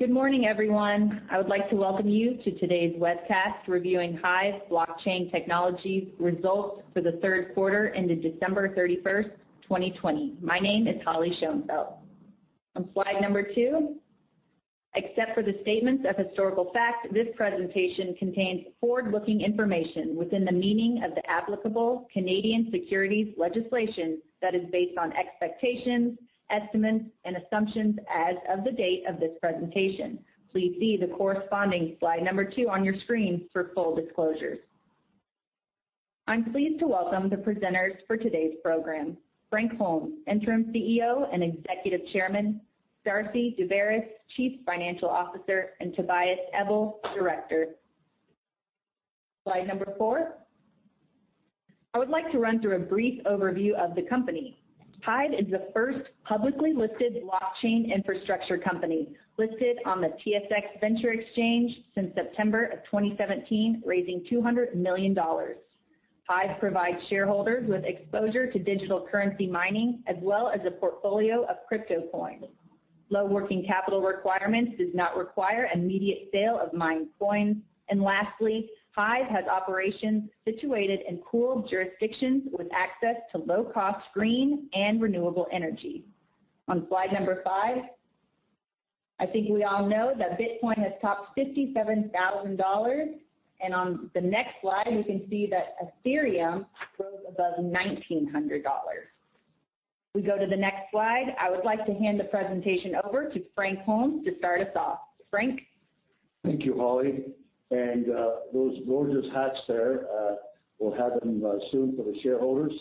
Good morning, everyone. I would like to welcome you to today's webcast reviewing HIVE Blockchain Technologies Results for the Third Quarter into December 31st, 2020. My name is Holly Schoenfeld. On slide number two, except for the statements of historical fact, this presentation contains forward-looking information within the meaning of the applicable Canadian securities legislation that is based on expectations, estimates, and assumptions as of the date of this presentation. Please see the corresponding slide number two on your screen for full disclosures. I am pleased to welcome the presenters for today's program. Frank Holmes, Interim CEO and Executive Chairman, Darcy Daubaras, Chief Financial Officer, and Tobias Ebel, Director. Slide number four. I would like to run through a brief overview of the company. HIVE is the first publicly listed blockchain infrastructure company, listed on the TSX Venture Exchange since September of 2017, raising 200 million dollars. HIVE provides shareholders with exposure to digital currency mining as well as a portfolio of crypto coins. Low working capital requirements does not require immediate sale of mined coins. Lastly, HIVE has operations situated in cool jurisdictions with access to low-cost green and renewable energy. On slide number five, I think we all know that Bitcoin has topped 57,000 dollars. On the next slide, we can see that Ethereum rose above 1,900 dollars. We go to the next slide. I would like to hand the presentation over to Frank Holmes to start us off. Frank? Thank you, Holly. Those gorgeous hats there, we'll have them soon for the shareholders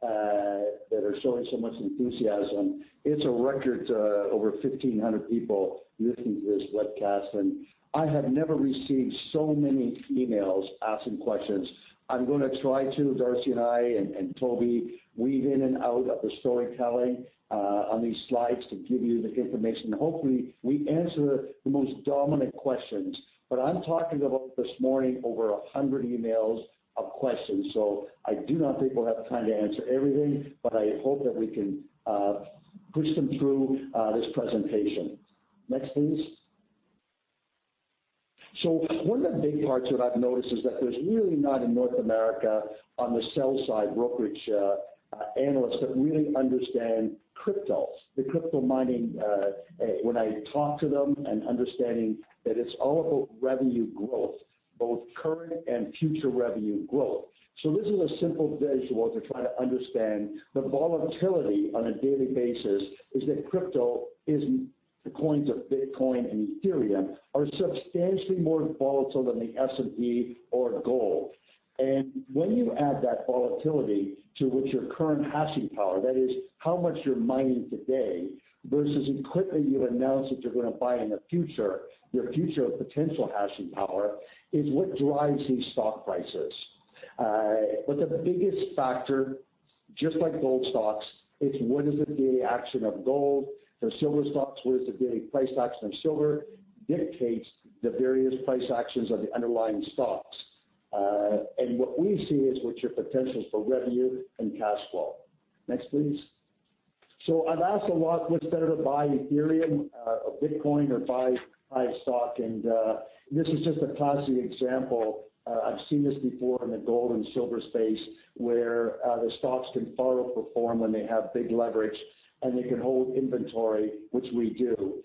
that are showing so much enthusiasm. It's a record to over 1,500 people listening to this webcast, and I have never received so many emails asking questions. I'm going to try to, Darcy and I and Toby, weave in and out of the storytelling on these slides to give you the information. Hopefully, we answer the most dominant questions. I'm talking about this morning, over 100 emails of questions. I do not think we'll have time to answer everything, but I hope that we can push them through this presentation. Next, please. One of the big parts that I've noticed is that there's really not in North America on the sell side, brokerage analysts that really understand cryptos. The crypto mining, when I talk to them and understanding that it's all about revenue growth, both current and future revenue growth. This is a simple visual to try to understand the volatility on a daily basis is that crypto is, the coins of Bitcoin and Ethereum, are substantially more volatile than the S&P or gold. When you add that volatility to which your current hashing power, that is how much you're mining today versus equipment you've announced that you're going to buy in the future, your future potential hashing power, is what drives these stock prices. The biggest factor, just like gold stocks, it's what is the daily action of gold. For silver stocks, what is the daily price action of silver, dictates the various price actions of the underlying stocks. What we see is what your potentials for revenue and cash flow. Next, please. I'm asked a lot what's better, to buy Ethereum or Bitcoin or buy HIVE stock, and this is just a classic example. I've seen this before in the gold and silver space, where the stocks can far outperform when they have big leverage, and they can hold inventory, which we do.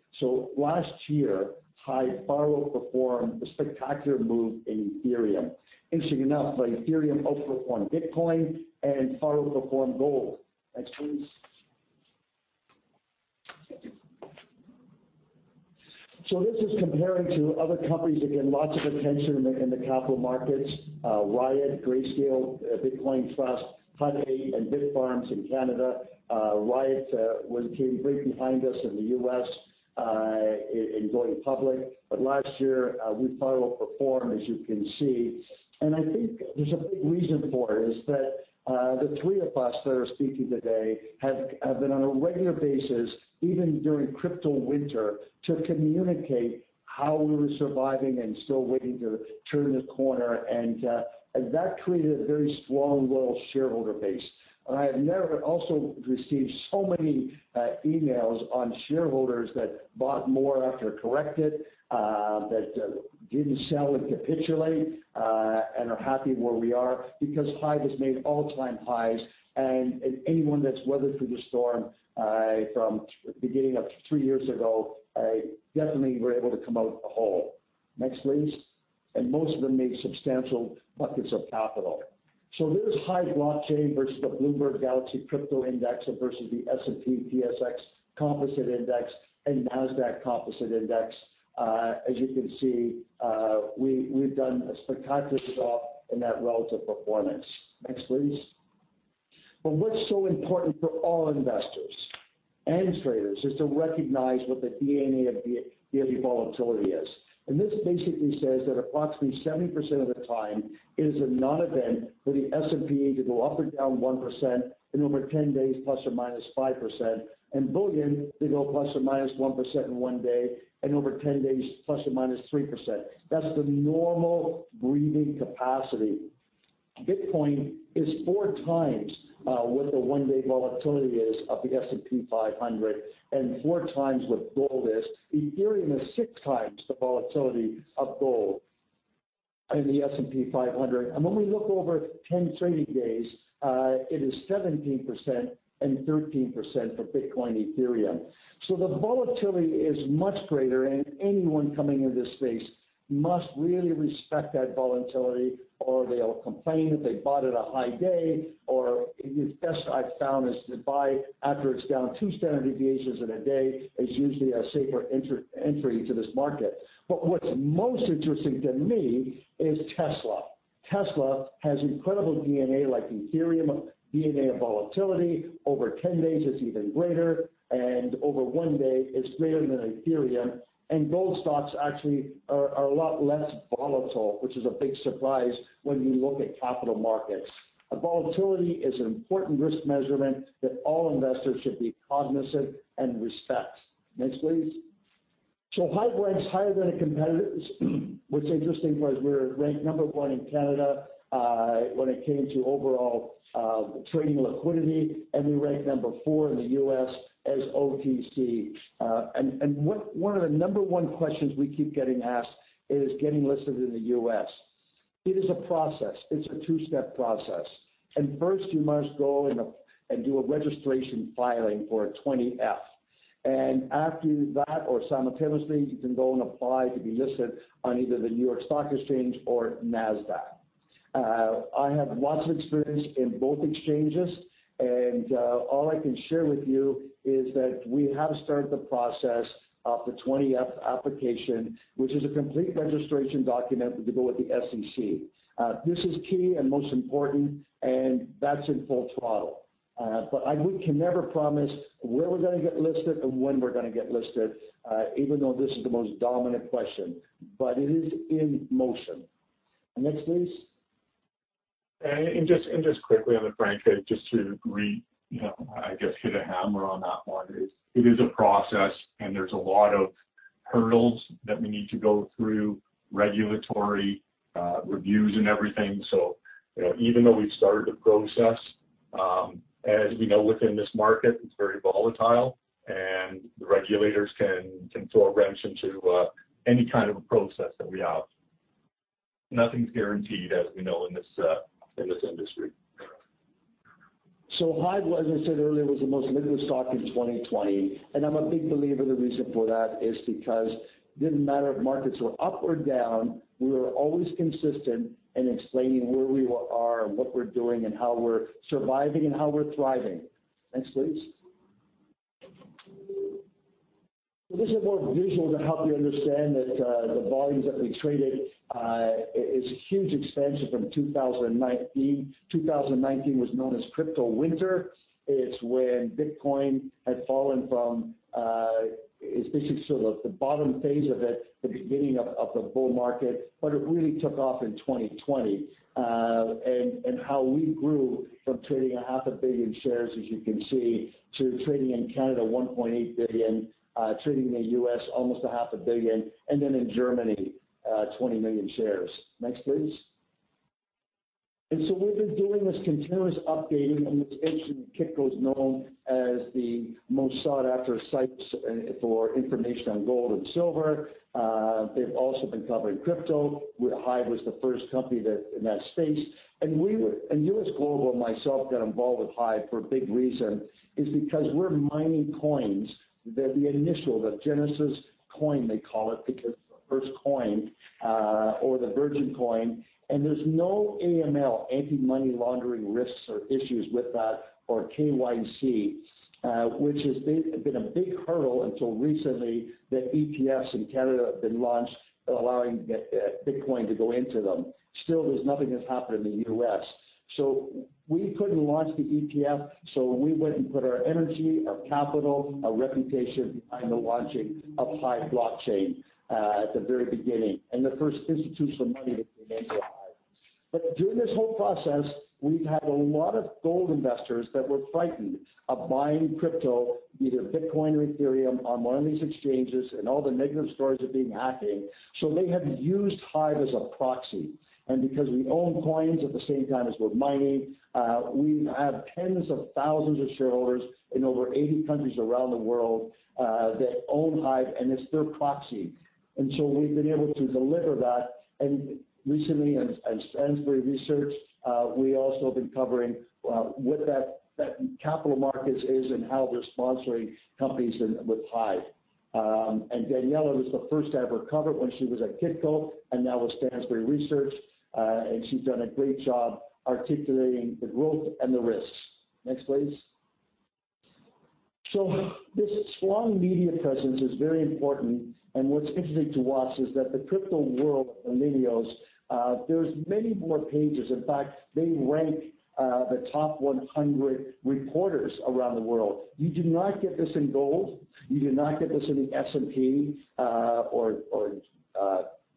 Last year, HIVE far outperformed a spectacular move in Ethereum. Interesting enough, Ethereum outperformed Bitcoin and far outperformed gold. Next, please. This is comparing to other companies that get lots of attention in the capital markets. Riot, Grayscale Bitcoin Trust, Hut 8, and Bitfarms in Canada. Riot came right behind us in the U.S. in going public. Last year, we far outperformed, as you can see. I think there's a big reason for it, is that the three of us that are speaking today have been on a regular basis, even during crypto winter, to communicate how we were surviving and still waiting to turn the corner, and that created a very strong loyal shareholder base. I have never also received so many emails on shareholders that bought more after corrected, that didn't sell and capitulate, and are happy where we are because HIVE has made all-time highs. Anyone that's weathered through the storm from beginning of three years ago, definitely were able to come out whole. Next, please. Most of them made substantial buckets of capital. There's HIVE Blockchain versus the Bloomberg Galaxy Crypto Index versus the S&P/TSX Composite Index and NASDAQ Composite Index. As you can see, we've done a spectacular job in that relative performance. Next, please. What's so important for all investors and traders is to recognize what the DNA of the daily volatility is. This basically says that approximately 70% of the time, it is a non-event for the S&P to go up or down 1%, and over 10 days, ±5%, and Bitcoin to go ±1% in one day, and over 10 days, ±3%. That's the normal breathing capacity. Bitcoin is 4x what the one-day volatility is of the S&P 500, and four times what gold is. Ethereum is six times the volatility of gold and the S&P 500. When we look over 10 trading days, it is 17% and 13% for Bitcoin and Ethereum. The volatility is much greater, and anyone coming into this space must really respect that volatility, or they'll complain that they bought at a high day, or the best I've found is to buy after it's down two standard deviations in a day, is usually a safer entry to this market. What's most interesting to me is Tesla. Tesla has incredible DNA, like Ethereum DNA of volatility. Over 10 days it's even greater, and over one day it's greater than Ethereum. Gold stocks actually are a lot less volatile, which is a big surprise when you look at capital markets. A volatility is an important risk measurement that all investors should be cognizant and respect. Next, please. HIVE ranks higher than a competitor. What's interesting was we were ranked number one in Canada, when it came to overall trading liquidity. We ranked number four in the U.S. as OTC. One of the number one questions we keep getting asked is getting listed in the U.S. It is a process. It's a two-step process. First you must go and do a registration filing for a 20-F. After that, or simultaneously, you can go and apply to be listed on either the New York Stock Exchange or NASDAQ. I have lots of experience in both exchanges. All I can share with you is that we have started the process of the 20-F application, which is a complete registration document to go with the SEC. This is key and most important. That's in full throttle. We can never promise where we're going to get listed and when we're going to get listed, even though this is the most dominant question. It is in motion. Next, please. Just quickly on the front page, just to agree, I guess hit a hammer on that one. It is a process and there's a lot of hurdles that we need to go through, regulatory reviews and everything. Even though we've started the process, as we know within this market, it's very volatile and the regulators can throw a wrench into any kind of a process that we have. Nothing's guaranteed, as we know in this industry. HIVE, as I said earlier, was the most liquid stock in 2020, and I'm a big believer the reason for that is because it didn't matter if markets were up or down, we were always consistent in explaining where we are and what we're doing and how we're surviving and how we're thriving. Next, please. This is more visual to help you understand that the volumes that we traded is huge expansion from 2019. 2019 was known as Crypto Winter. It's when Bitcoin had fallen from, it's basically sort of the bottom phase of it, the beginning of the bull market but it really took off in 2020. How we grew from trading a half a billion shares, as you can see, to trading in Canada, 1.8 billion, trading in the U.S. almost a half a billion, and then in Germany, 20 million shares. Next, please. We've been doing this continuous updating, and it's interesting that Kitco is known as the most sought-after sites for information on gold and silver. They've also been covering crypto, where HIVE was the first company in that space. U.S. Global and myself got involved with HIVE for a big reason, is because we're mining coins that the initial, the genesis coin, they call it, because it's the first coin, or the virgin coin. There's no AML, Anti-Money Laundering risks or issues with that or KYC, which has been a big hurdle until recently that ETFs in Canada have been launched allowing Bitcoin to go into them. Still, there's nothing that's happened in the U.S. We couldn't launch the ETF, so we went and put our energy, our capital, our reputation behind the launching of HIVE Blockchain, at the very beginning. The first institutional money that came into HIVE. During this whole process, we've had a lot of gold investors that were frightened of buying crypto, either Bitcoin or Ethereum, on one of these exchanges, and all the negative stories of being hacking. They have used HIVE as a proxy because we own coins at the same time as we're mining, we have tens of thousands of shareholders in over 80 countries around the world, that own HIVE, and it's their proxy. We've been able to deliver that. Recently at Stansberry Research, we also have been covering what that capital markets is and how they're sponsoring companies with HIVE. Daniela was the first to ever cover it when she was at Kitco, and now with Stansberry Research. She's done a great job articulating the growth and the risks. Next, please. This strong media presence is very important, and what's interesting to watch is that the crypto world of the media, there's many more pages. In fact, they rank the top 100 reporters around the world. You do not get this in gold. You do not get this in the S&P, or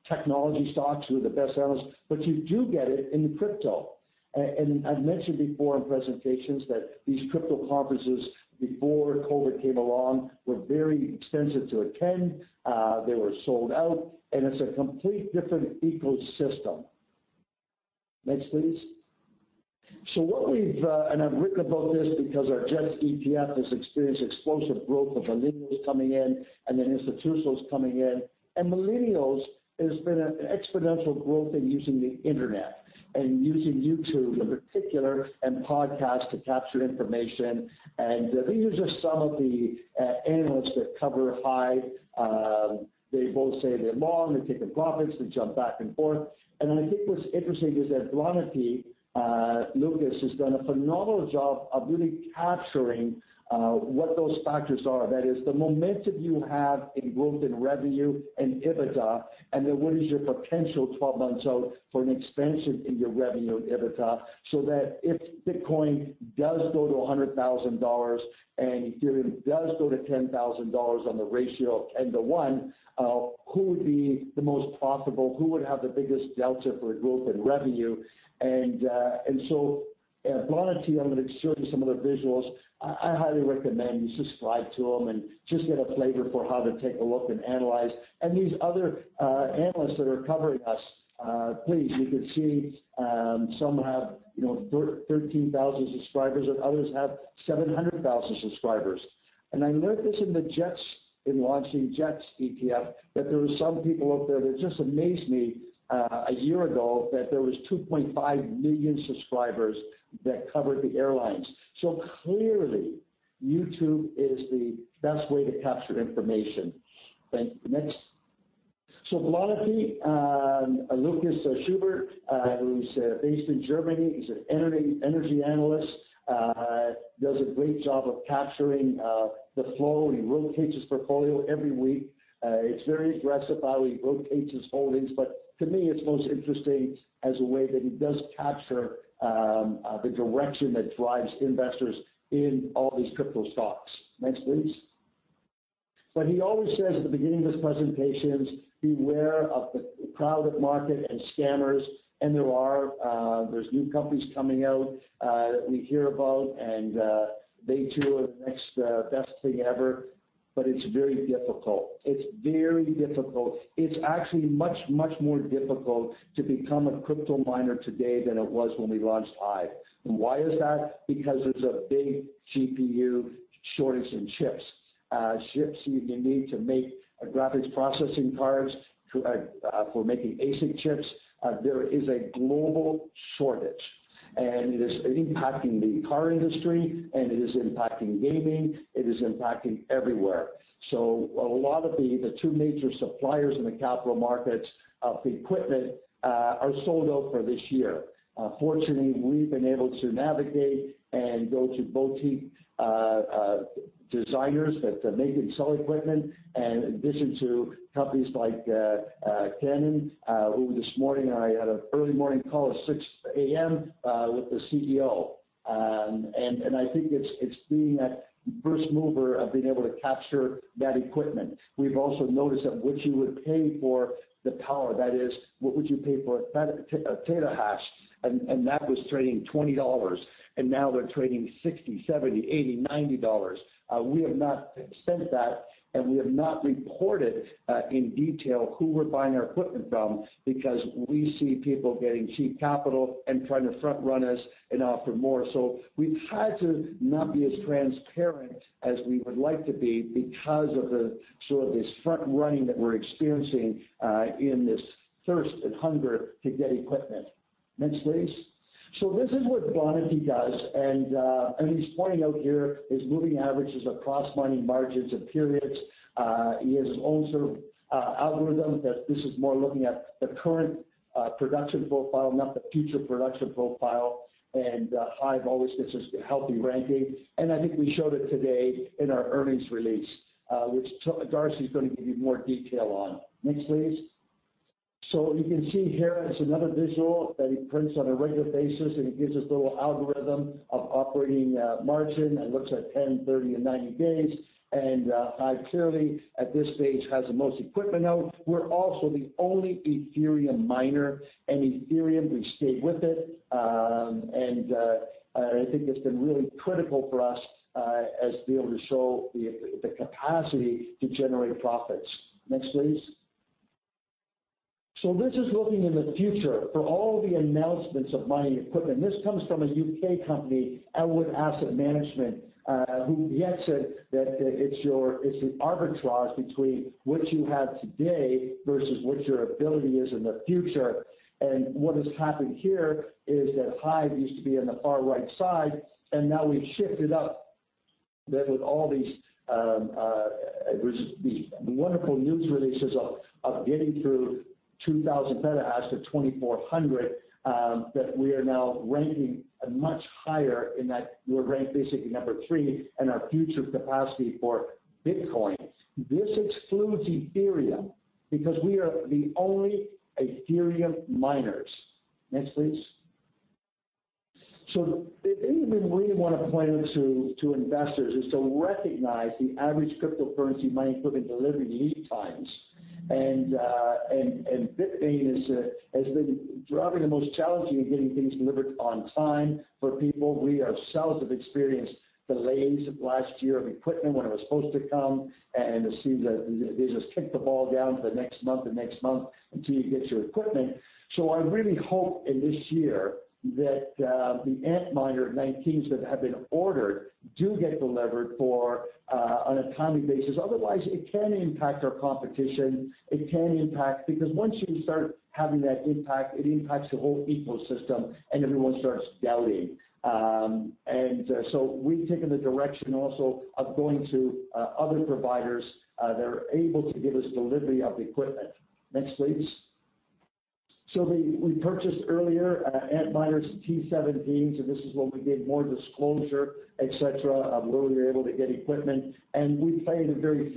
technology stocks who are the best analysts, but you do get it in crypto. I've mentioned before in presentations that these crypto conferences, before COVID came along, were very expensive to attend. They were sold out, and it's a complete different ecosystem. Next, please. What we've, and I've written about this because our JETS ETF has experienced explosive growth with millennials coming in and then institutionals coming in. Millennials, there's been an exponential growth in using the internet and using YouTube in particular, and podcasts to capture information. These are just some of the analysts that cover HIVE. They both say they're long, they've taken profits, they jump back and forth. I think what's interesting is that Vanity Lucas has done a phenomenal job of really capturing what those factors are. That is the momentum you have in growth, in revenue, and EBITDA, then what is your potential 12 months out for an expansion in your revenue and EBITDA. That if Bitcoin does go to $100,000 and Ethereum does go to $10,000 on the ratio of 10:1, who would be the most profitable, who would have the biggest delta for growth and revenue? Vanity, I'm going to show you some of the visuals. I highly recommend you subscribe to him and just get a flavor for how to take a look and analyze. These other analysts that are covering us, please, you can see, some have 13,000 subscribers, and others have 700,000 subscribers. I learned this in the JETS, in launching JETS ETF, that there were some people out there that just amazed me, a year ago, that there was 2.5 million subscribers that covered the airlines. Clearly, YouTube is the best way to capture information. Thank you. Next. Vanity, Lucas Schubert, who's based in Germany. He's an Energy Analyst, does a great job of capturing the flow. He rotates his portfolio every week. It's very aggressive how he rotates his holdings, but to me, it's most interesting as a way that he does capture the direction that drives investors in all these crypto stocks. Next, please. He always says at the beginning of his presentations, "Beware of the crowded market and scammers." There are. There's new companies coming out that we hear about, and they too are the next best thing ever. It's very difficult. It's very difficult. It's actually much, much more difficult to become a crypto miner today than it was when we launched HIVE. Why is that? Because there's a big GPU shortage in chips. Chips you need to make graphics processing cards for making ASIC chips. There is a global shortage, and it is impacting the car industry, and it is impacting gaming. It is impacting everywhere. A lot of the two major suppliers in the capital markets of the equipment are sold out for this year. Fortunately, we've been able to navigate and go to boutique designers that make and sell equipment, and in addition to companies like Canaan, who this morning I had an early morning call at 6:00 A.M. with the CEO. I think it's being that first mover of being able to capture that equipment. We've also noticed that what you would pay for the power, that is, what would you pay for a petahash, and that was trading 20 dollars, and now they're trading 60, 70, 80, 90 dollars. We have not said that, we have not reported in detail who we're buying our equipment from because we see people getting cheap capital and trying to front run us and offer more. We've had to not be as transparent as we would like to be because of this front running that we're experiencing in this thirst and hunger to get equipment. Next, please. This is what Vanity does, and he's pointing out here his moving averages of cross mining margins and periods. He has his own sort of algorithm that this is more looking at the current production profile, not the future production profile. HIVE always gets this healthy ranking, and I think we showed it today in our earnings release which Darcy is going to give you more detail on. Next, please. You can see here, it's another visual that he prints on a regular basis, and it gives this little algorithm of operating margin and looks at 10, 30, and 90 days. HIVE clearly, at this stage, has the most equipment out. We're also the only Ethereum miner, and Ethereum, we've stayed with it. I think it's been really critical for us as being able to show the capacity to generate profits. Next, please. This is looking in the future for all the announcements of mining equipment. This comes from a U.K. company, Elwood Asset Management, who again said that it's the arbitrage between what you have today versus what your ability is in the future. What has happened here is that HIVE used to be in the far right side, and now we've shifted up. That with all these wonderful news releases of getting through 2,000 petahash to 2,400, that we are now ranking much higher in that we're ranked basically number three in our future capacity for Bitcoin. This excludes Ethereum because we are the only Ethereum miners. Next, please. The thing that we really want to point out to investors is to recognize the average cryptocurrency mining equipment delivery lead times. Bitmain has been probably the most challenging in getting things delivered on time for people. We ourselves have experienced delays last year of equipment when it was supposed to come, to see that they just kick the ball down to the next month and next month until you get your equipment. I really hope in this year that the Antminer 19s that have been ordered do get delivered on a timely basis. Otherwise, it can impact our competition. It can impact, because once you start having that impact, it impacts the whole ecosystem and everyone starts doubting. We've taken the direction also of going to other providers that are able to give us delivery of equipment. Next, please. We purchased earlier, Antminer T17s, this is when we gave more disclosure, et cetera, of where we were able to get equipment. We find a very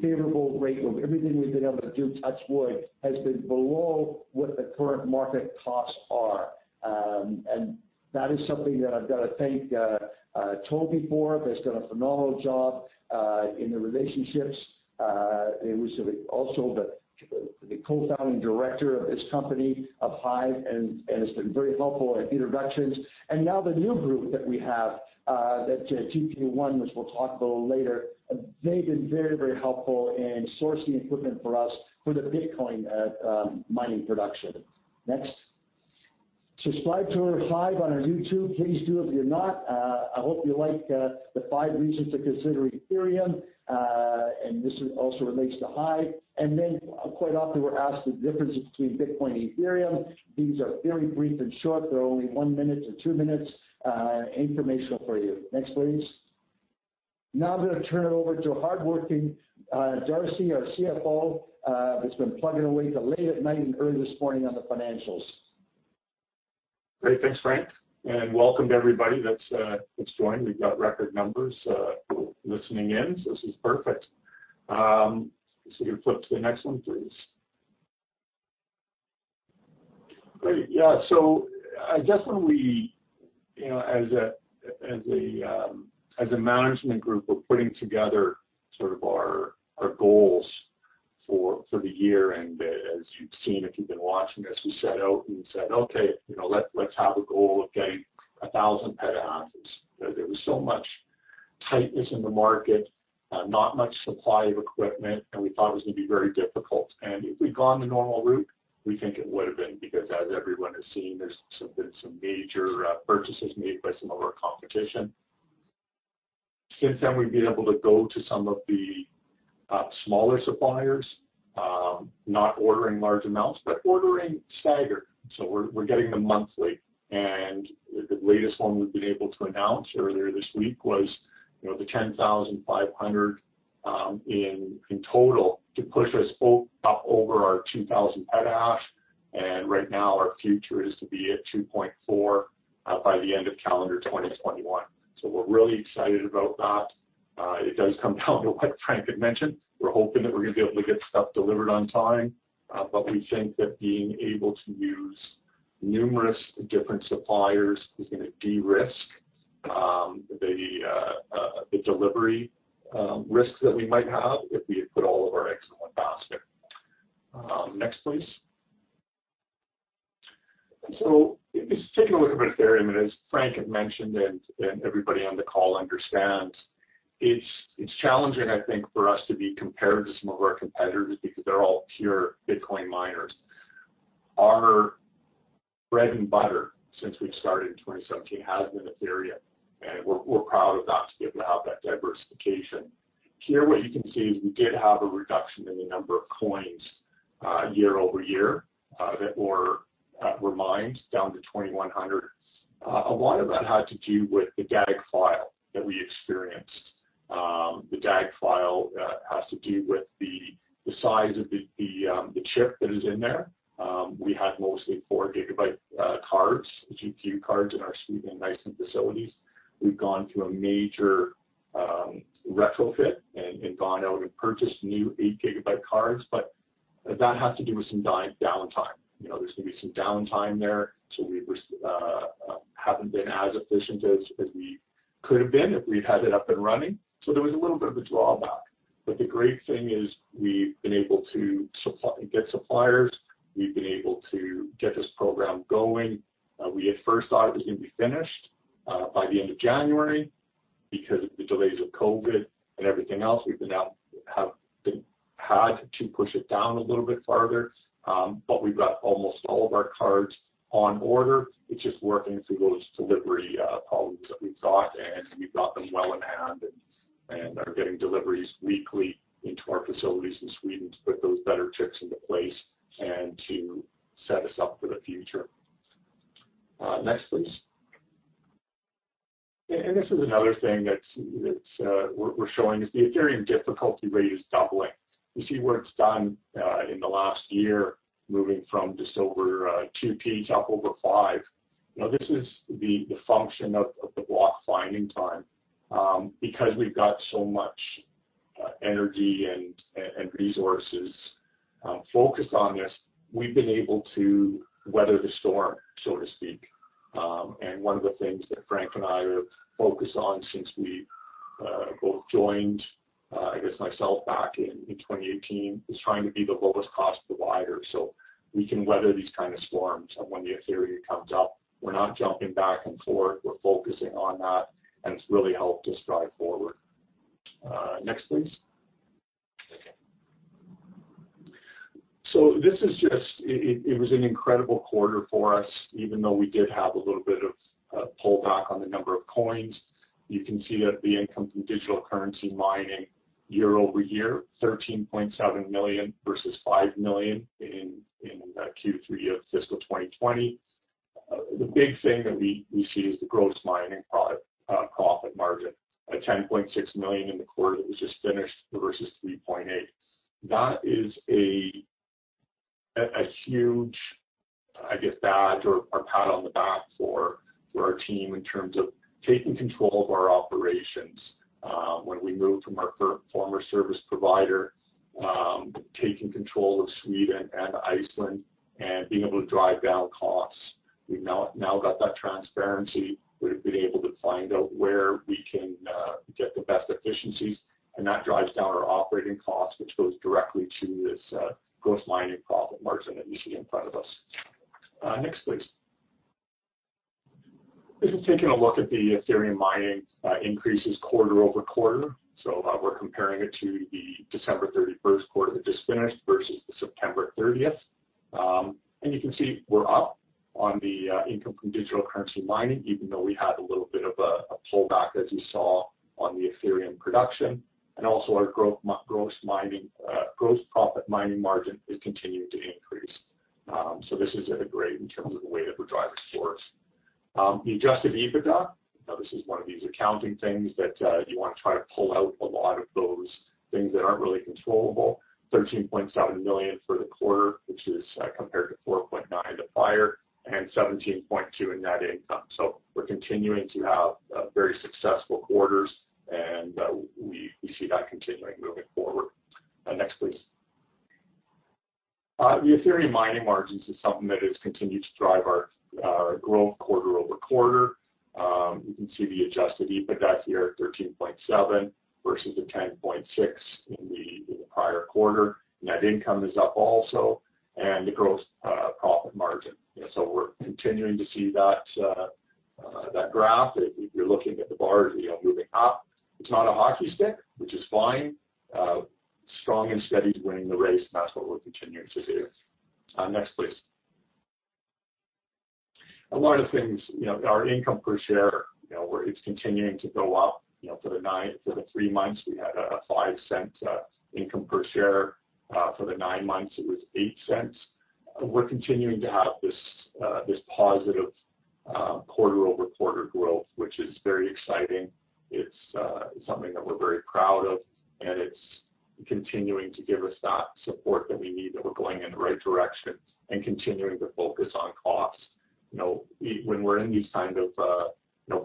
favorable rate of everything we've been able to do, touch wood, has been below what the current market costs are. That is something that I've got to thank Toby for, that's done a phenomenal job in the relationships. It was also the co-founding director of this company, of HIVE, and has been very helpful in introductions. Now the new group that we have that GP1, which we'll talk about a little later, they've been very helpful in sourcing equipment for us for the Bitcoin mining production. Next. Subscribe to our HIVE on our YouTube. Please do if you're not. I hope you like the five reasons to consider Ethereum, and this also relates to HIVE. Quite often we're asked the differences between Bitcoin and Ethereum. These are very brief and short. They're only one minute to two minutes, informational for you. Next, please. Now I'm going to turn it over to hardworking Darcy, our CFO, who's been plugging away till late at night and early this morning on the financials. Great. Thanks, Frank. Welcome to everybody that's joined. We've got record numbers listening in. This is perfect. You can flip to the next one, please. Great. Yeah. As a management group, we're putting together sort of our goals for the year. As you've seen, if you've been watching us, we set out and said, "Okay, let's have a goal of getting 1,000 petahashes." There was so much tightness in the market, not much supply of equipment, and we thought it was going to be very difficult. If we'd gone the normal route, we think it would have been because as everyone has seen, there's been some major purchases made by some of our competition. Since then, we've been able to go to some of the smaller suppliers, not ordering large amounts, but ordering staggered. We're getting them monthly. The latest one we've been able to announce earlier this week was the 10,500 in total to push us up over our 2,000 petahash. Right now, our future is to be at 2.4 by the end of calendar 2021. We're really excited about that. It does come down to what Frank had mentioned. We're hoping that we're going to be able to get stuff delivered on time. We think that being able to use numerous different suppliers is going to de-risk the delivery risks that we might have if we had put all of our eggs in one basket. Next, please. Just taking a look at Ethereum and as Frank had mentioned and everybody on the call understands, it's challenging, I think, for us to be compared to some of our competitors because they're all pure Bitcoin miners. Our bread and butter since we started in 2017 has been Ethereum, and we're proud of that, to be able to have that diversification. Here, what you can see is we did have a reduction in the number of coins year-over-year that were mined down to 2,100. A lot of that had to do with the DAG file that we experienced. The DAG file has to do with the size of the chip that is in there. We had mostly 4 GB cards, GPU cards in our Sweden Knivsta facilities. We've gone through a major retrofit and gone out and purchased new 8 GB cards, but that has to do with some downtime. There's going to be some downtime there. We haven't been as efficient as we could have been if we'd had it up and running. There was a little bit of a drawback, but the great thing is we've been able to get suppliers. We've been able to get this program going. We at first thought it was going to be finished by the end of January, because of the delays of COVID and everything else, we've now had to push it down a little bit farther. But we've got almost all of our cards on order, it's just working through those delivery problems that we've got, and we've got them well in hand and are getting deliveries weekly into our facilities in Sweden to put those better chips into place and to set us up for the future. Next, please. This is another thing that we're showing is the Ethereum difficulty rate is doubling. You see where it's done in the last year, moving from just over two PH up over five. This is the function of the block finding time, because we've got so much energy and resources focused on this, we've been able to weather the storm, so to speak. One of the things that Frank and I are focused on since we both joined, I guess myself back in 2018, is trying to be the lowest cost provider so we can weather these kinds of storms. When the Ethereum comes up, we're not jumping back and forth, we're focusing on that, and it's really helped us drive forward. Next, please. Okay. It was an incredible quarter for us, even though we did have a little bit of a pullback on the number of coins. You can see that the income from digital currency mining year-over-year, 13.7 million versus 5 million in Q3 of fiscal 2020. The big thing that we see is the gross mining profit margin at 10.6 million in the quarter that was just finished versus 3.8 million. That is a huge badge or pat on the back for our team in terms of taking control of our operations. When we moved from our former service provider, taking control of Sweden and Iceland and being able to drive down costs. We've now got that transparency. We've been able to find out where we can get the best efficiencies, and that drives down our operating costs, which goes directly to this gross mining profit margin that you see in front of us. Next, please. This is taking a look at the Ethereum mining increases quarter-over-quarter. We're comparing it to the December 31st quarter that just finished versus the September 30th. You can see we're up on the income from digital currency mining, even though we had a little bit of a pullback, as you saw on the Ethereum production. Also our gross profit mining margin is continuing to increase. This is a great in terms of the way that we're driving towards. The Adjusted EBITDA, now this is one of these accounting things that you want to try to pull out a lot of those things that aren't really controllable, 13.7 million for the quarter, which is compared to 4.9 the prior, and 17.2 in net income. We're continuing to have very successful quarters, and we see that continuing moving forward. Next, please. The Ethereum mining margins is something that has continued to drive our growth quarter-over-quarter. You can see the Adjusted EBITDA here at 13.7 versus the 10.6 in the prior quarter. Net income is up also and the gross profit margin. We're continuing to see that graph, if you're looking at the bars, moving up. It's not a hockey stick, which is fine. Strong and steady is winning the race, and that's what we're continuing to do. Next, please. A lot of things, our income per share, it's continuing to go up. For the three months, we had a 0.05 income per share. For the nine months it was 0.08. We're continuing to have this positive quarter-over-quarter growth, which is very exciting. It's something that we're very proud of, and it's continuing to give us that support that we need, that we're going in the right direction and continuing to focus on costs. When we're in these kind of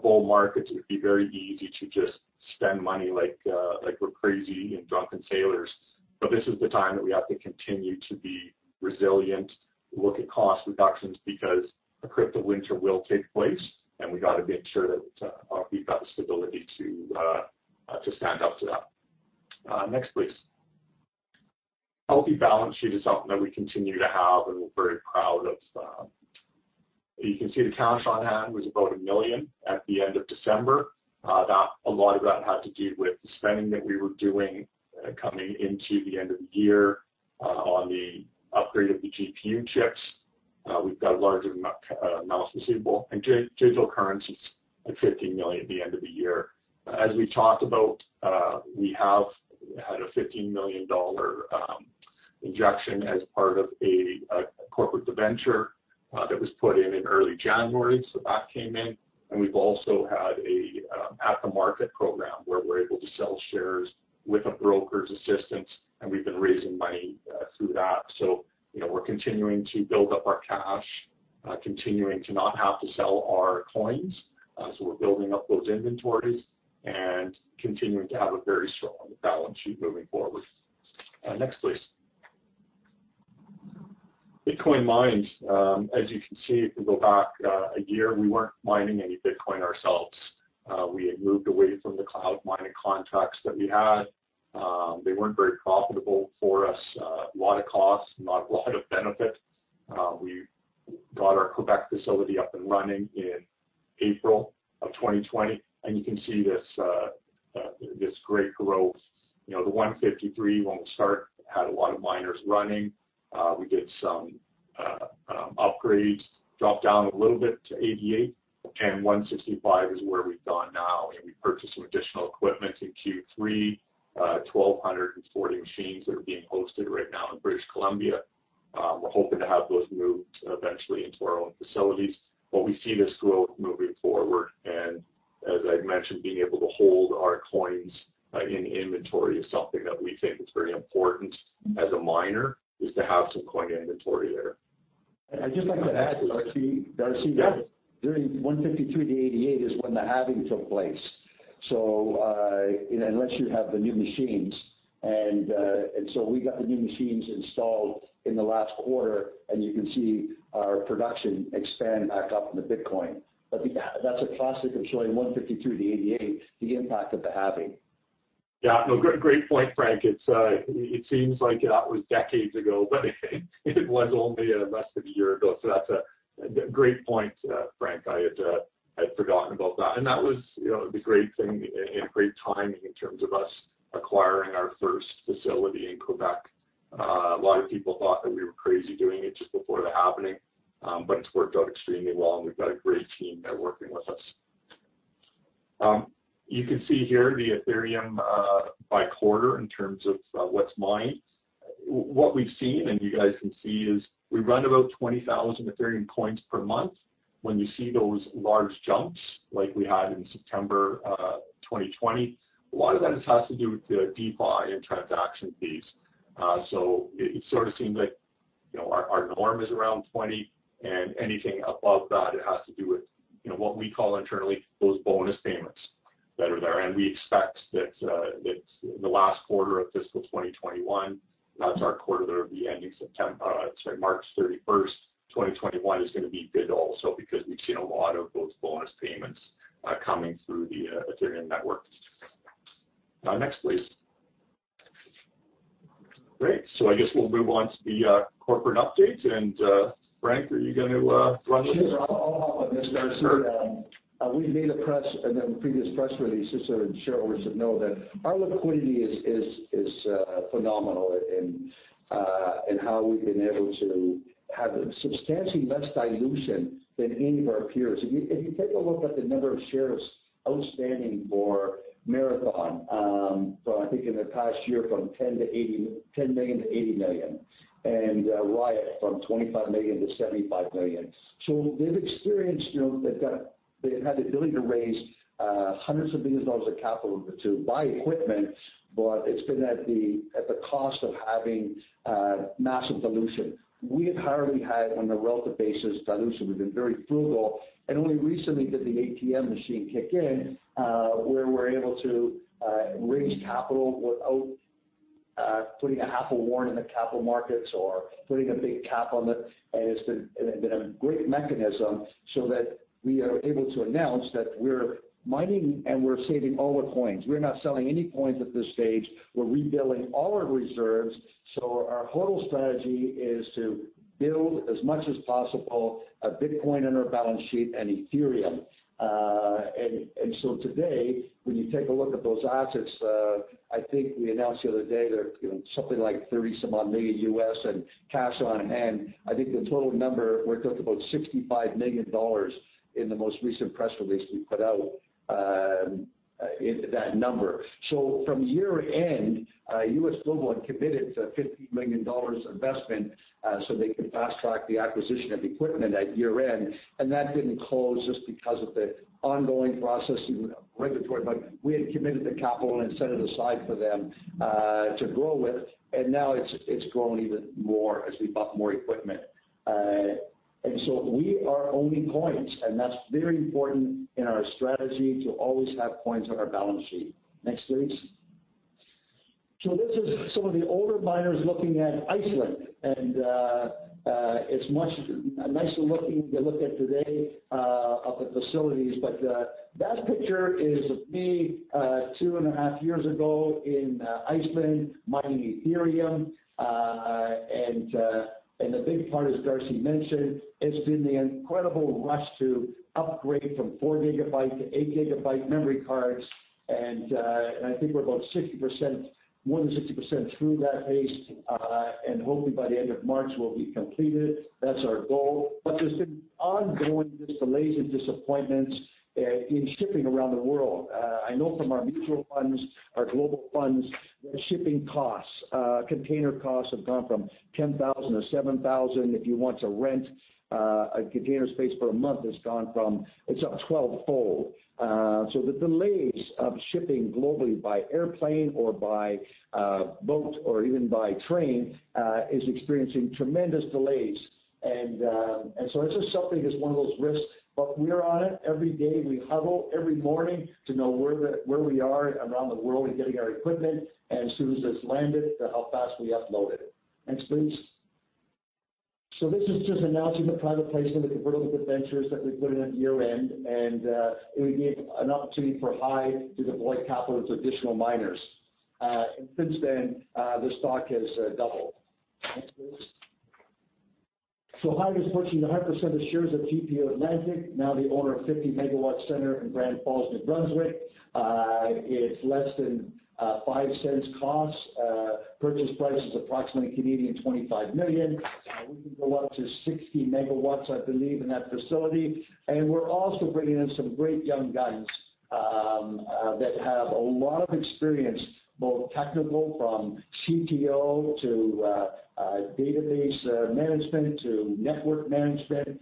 bull markets, it'd be very easy to just spend money like we're crazy and drunken sailors, but this is the time that we have to continue to be resilient, look at cost reductions, because a crypto winter will take place and we got to make sure that we've got the stability to stand up to that. Next, please. Healthy balance sheet is something that we continue to have and we're very proud of. You can see the cash on hand was about 1 million at the end of December. A lot of that had to do with the spending that we were doing coming into the end of the year on the upgrade of the GPU chips. We've got a large amount of accounts receivable and digital currencies at 15 million at the end of the year. As we talked about, we have had a 15 million dollar injection as part of a corporate debenture that was put in in early January. That came in, we've also had at the market program where we're able to sell shares with a broker's assistance, we've been raising money through that. We're continuing to build up our cash, continuing to not have to sell our coins. We're building up those inventories and continuing to have a very strong balance sheet moving forward. Next, please. Bitcoin mines, as you can see, if we go back a year, we weren't mining any Bitcoin ourselves. We had moved away from the cloud mining contracts that we had. They weren't very profitable for us. A lot of costs, not a lot of benefit. We got our Quebec facility up and running in April of 2020, and you can see this great growth. The 153, when we start, had a lot of miners running. We did some upgrades, dropped down a little bit to 88, and 165 is where we've gone now, and we purchased some additional equipment in Q3, 1,240 machines that are being hosted right now in British Columbia. We're hoping to have those moved eventually into our own facilities. We see this growth moving forward and as I mentioned, being able to hold our coins in inventory is something that we think is very important as a miner, is to have some coin inventory there. I'd just like to add, Darcy. Yeah. During 153 to 88 is when the halving took place. Unless you have the new machines, we got the new machines installed in the last quarter, and you can see our production expand back up to Bitcoin. That's a classic of showing 153 to 88, the impact of the halving. Yeah. No, great point, Frank. It seems like that was decades ago, but it was only less than a year ago, so that's a great point, Frank. I had forgotten about that. That was the great thing and great timing in terms of us acquiring our first facility in Quebec. A lot of people thought that we were crazy doing it just before the halving but it's worked out extremely well, and we've got a great team there working with us. You can see here the Ethereum by quarter in terms of what's mined. What we've seen, and you guys can see, is we run about 20,000 Ethereum coins per month. When you see those large jumps like we had in September 2020, a lot of that just has to do with the DeFi and transaction fees. It sort of seems like our norm is around 20, and anything above that, it has to do with what we call internally, those bonus payments that are there. We expect that the last quarter of fiscal 2021, that's our quarter that'll be ending March 31st, 2021, is going to be good also because we've seen a lot of those bonus payments coming through the Ethereum network. Next, please. Great. I guess we'll move on to the corporate update. Frank, are you going to run with this? Sure. I'll hop on this, Darcy. We made a press in a previous press release just so the shareholders would know that our liquidity is phenomenal in how we've been able to have substantially less dilution than any of our peers. If you take a look at the number of shares outstanding for Marathon Digital Holdings from, I think, in the past year, from 10 million to 80 million. Riot Platforms from 25 million to 75 million. They've experienced, they've had the ability to raise hundreds of millions of capital to buy equipment, but it's been at the cost of having massive dilution. We have hardly had, on a relative basis, dilution. We've been very frugal, only recently did the ATM machine kick in, where we're able to raise capital without putting a half a warrant in the capital markets or putting a big cap on it. It's been a great mechanism so that we are able to announce that we're mining and we're saving all our coins. We're not selling any coins at this stage. We're rebuilding all our reserves. Our whole strategy is to build as much as possible Bitcoin on our balance sheet, and Ethereum. Today, when you take a look at those assets, I think we announced the other day they're something like $ 30 million in cash on hand. I think the total number worked out to about $65 million in the most recent press release we put out, that number. From year-end, U.S. Global had committed to a $50 million investment so they could fast-track the acquisition of equipment at year-end. That didn't close just because of the ongoing processing regulatory. We had committed the capital and set it aside for them to grow with. Now it's grown even more as we bought more equipment. We are owning coins, and that's very important in our strategy to always have coins on our balance sheet. Next, please. This is some of the older miners looking at Iceland, and it's much nicer looking to look at today of the facilities. That picture is of me two and a half years ago in Iceland mining Ethereum. The big part, as Darcy mentioned, it's been the incredible rush to upgrade from 4 GB to 8 GB memory cards. I think we're about 60%, more than 60% through that phase. Hopefully by the end of March, we'll be completed. That's our goal. There's been ongoing delays and disappointments in shipping around the world. I know from our mutual funds, our global funds, their shipping costs, container costs have gone from 10,000 to 7,000. If you want to rent a container space for a month, it's up 12-fold. The delays of shipping globally by airplane or by boat or even by train is experiencing tremendous delays. This is something that's one of those risks, but we're on it every day. We huddle every morning to know where we are around the world in getting our equipment and as soon as it's landed, how fast we upload it. Next, please. This is just announcing the private placement of convertible debentures that we put in at year-end, and it would be an opportunity for HIVE to deploy capital into additional miners. Since then, the stock has doubled. Next, please. HIVE is purchasing 100% of shares of GPU Atlantic, now the owner of a 50 MW center in Grand Falls, New Brunswick. It's less than 0.05 cost. Purchase price is approximately 25 million. We can go up to 60 MW, I believe, in that facility. We're also bringing in some great young guns that have a lot of experience, both technical from CTO to database management to network management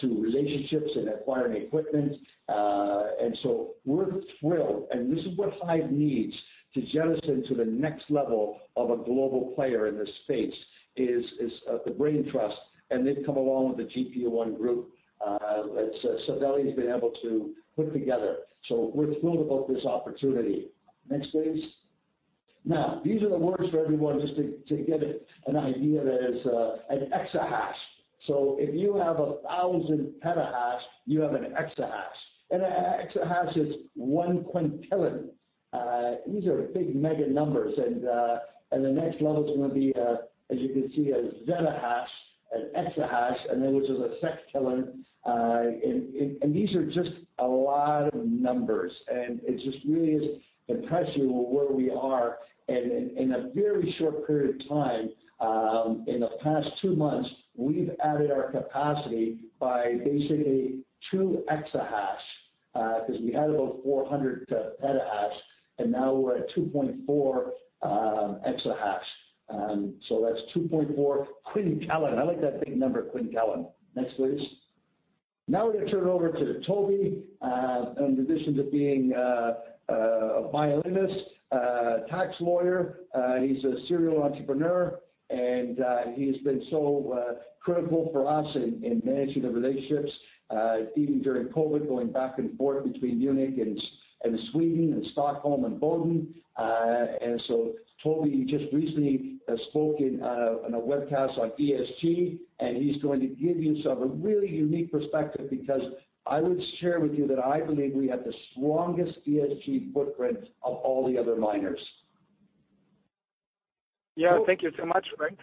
to relationships and acquiring equipment. We're thrilled, and this is what HIVE needs to jettison to the next level of a global player in this space, is the brain trust, and they've come along with the GPU group that Saveli's been able to put together. We're thrilled about this opportunity. Next, please. These are the words for everyone just to get an idea. There is an exahash. If you have 1,000 petahash, you have an exahash. An exahash is one quintillion. These are big mega numbers, and the next level is going to be, as you can see, a zettahash, an exahash, and then which is a sextillion. These are just a lot of numbers, and it just really is impressive where we are in a very short period of time. In the past two months, we've added our capacity by basically two exahash, because we had about 400 petahash, and now we're at 2.4 exahash. That's 2.4 quintillion. I like that big number, quintillion. Next, please. Now we're going to turn it over to Toby. In addition to being a violinist, a tax lawyer, he's a serial entrepreneur, and he has been so critical for us in managing the relationships, even during COVID, going back and forth between Munich and Sweden and Stockholm and Boden. Toby just recently spoke in a webcast on ESG, and he's going to give you a really unique perspective because I would share with you that I believe we have the strongest ESG footprint of all the other miners. Thank you so much, Frank.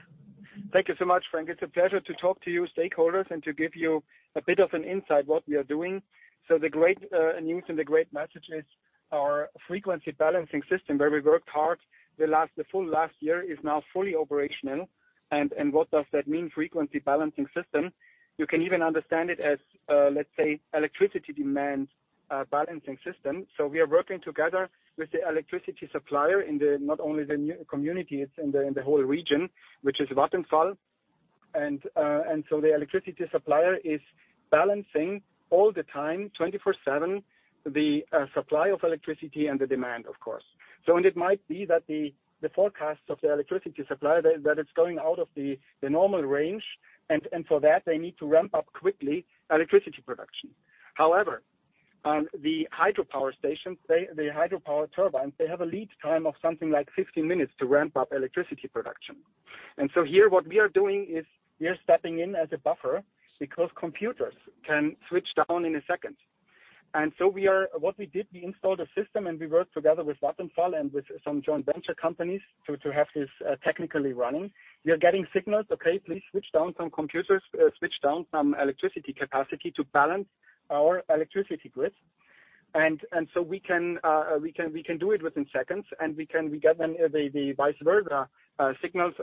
It's a pleasure to talk to you stakeholders and to give you a bit of an insight what we are doing. The great news and the great message is our frequency balancing system, where we worked hard the full last year, is now fully operational. What does that mean, frequency balancing system? You can even understand it as, let's say, electricity demand balancing system. We are working together with the electricity supplier in not only the community, it's in the whole region which is Vattenfall. The electricity supplier is balancing all the time, 24/7, the supply of electricity and the demand, of course. It might be that the forecasts of the electricity supplier, that it's going out of the normal range, and for that, they need to ramp up quickly electricity production. The hydropower stations, the hydropower turbines, they have a lead time of something like 15 minutes to ramp up electricity production. Here, what we are doing is we are stepping in as a buffer because computers can switch down in one second. What we did, we installed a system and we worked together with Vattenfall and with some joint venture companies to have this technically running. We are getting signals, "Okay, please switch down some computers, switch down some electricity capacity to balance our electricity grids." We can do it within seconds, and we get then the vice versa signals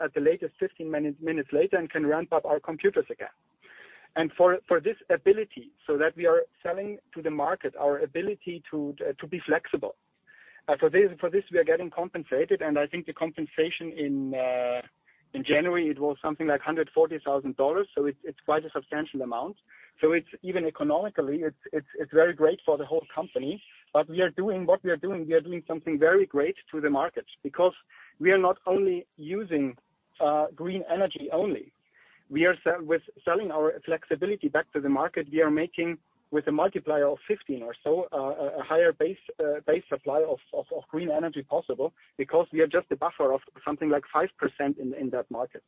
at the latest 15 minutes later and can ramp up our computers again. For this ability, so that we are selling to the market our ability to be flexible. For this, we are getting compensated, and I think the compensation in January, it was something like 140,000 dollars, so it's quite a substantial amount. Even economically, it's very great for the whole company. We are doing what we are doing. We are doing something very great to the market because we are not only using green energy only. We are selling our flexibility back to the market. We are making, with a multiplier of 15 or so, a higher base supply of green energy possible because we are just a buffer of something like 5% in that market.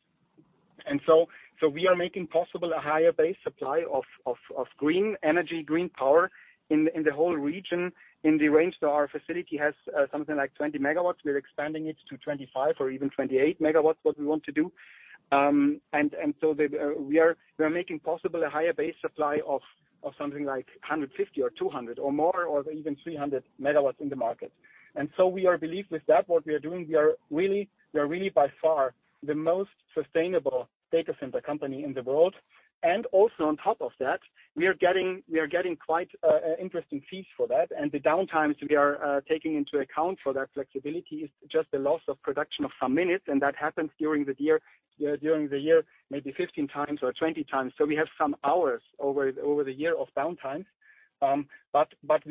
We are making possible a higher base supply of green energy, green power in the whole region in the range that our facility has something like 20 MW. We're expanding it to 25 MW or even 28 MW, what we want to do. We are making possible a higher base supply of something like 150 or 200 or more, or even 300 MWs in the market. We are believed with that what we are doing, we are really by far the most sustainable data center company in the world. Also on top of that, we are getting quite interesting fees for that. The downtimes we are taking into account for that flexibility is just a loss of production of some minutes, and that happens during the year maybe 15 times or 20 times. We have some hours over the year of downtime. It's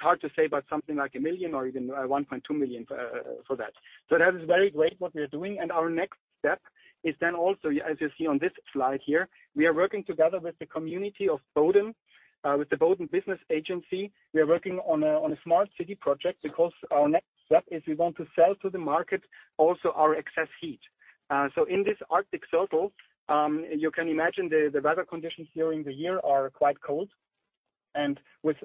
hard to say, but something like 1 million or even 1.2 million for that. That is very great what we are doing, and our next step is then also, as you see on this slide here, we are working together with the community of Boden, with the Boden Business Agency. We are working on a smart city project because our next step is we want to sell to the market also our excess heat. In this Arctic Circle, you can imagine the weather conditions during the year are quite cold, and with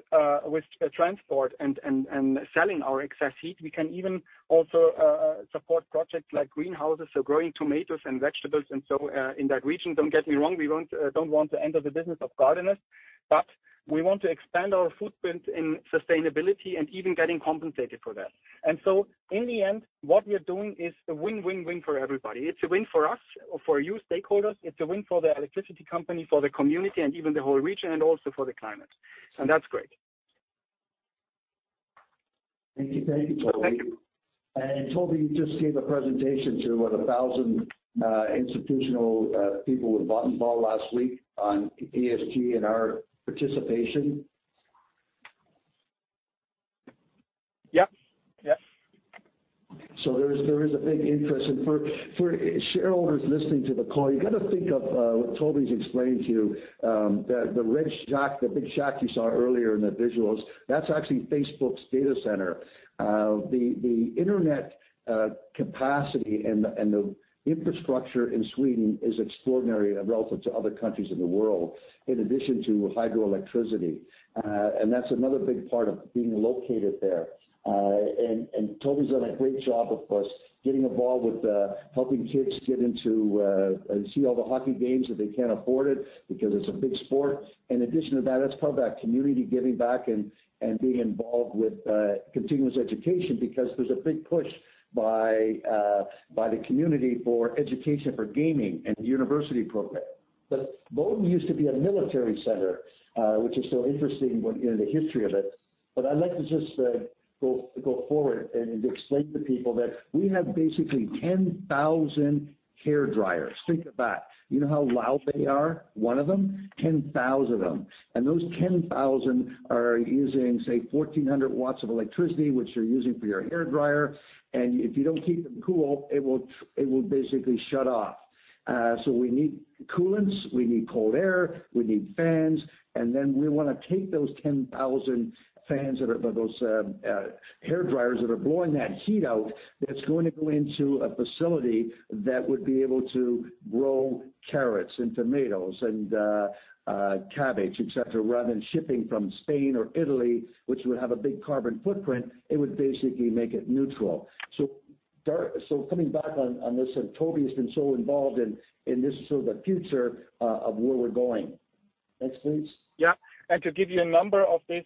transport and selling our excess heat, we can even also support projects like greenhouses, so growing tomatoes and vegetables and so in that region. Don't get me wrong, we don't want to end the business of gardeners but we want to expand our footprint in sustainability and even getting compensated for that. In the end, what we are doing is a win-win-win for everybody. It's a win for us, for you stakeholders. It's a win for the electricity company, for the community, and even the whole region, and also for the climate. That's great. Thank you, Toby. Toby, you just gave a presentation to what, 1,000 institutional people with Vattenfall last week on ESG and our participation? Yep. There is a big interest. For shareholders listening to the call, you got to think of what Tobias' explaining to you, the red shack, the big shack you saw earlier in the visuals, that's actually Facebook's data center. The internet capacity and the infrastructure in Sweden is extraordinary relative to other countries in the world, in addition to hydroelectricity. That's another big part of being located there. Tobias' done a great job, of course, getting involved with helping kids get into and see all the hockey games that they can't afford it because it's a big sport. In addition to that, it's called that community giving back and being involved with continuous education because there's a big push by the community for education for gaming and the university program. Boden used to be a military center, which is so interesting when you know the history of it. I'd like to just go forward and explain to people that we have basically 10,000 hair dryers. Think of that. You know how loud they are, one of them? 10,000 of them. Those 10,000 are using, say, 1,400 watts of electricity, which you're using for your hair dryer. If you don't keep them cool, it will basically shut off. We need coolants, we need cold air, we need fans, then we want to take those 10,000 fans that are those hair dryers that are blowing that heat out, that's going to go into a facility that would be able to grow carrots and tomatoes and cabbage, et cetera, rather than shipping from Spain or Italy, which would have a big carbon footprint. It would basically make it neutral. Coming back on this, Toby has been so involved in this sort of the future of where we're going. Next, please. Yeah. To give you a number of this,